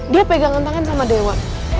dia pegangan tangan sama dewa